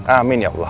amin ya allah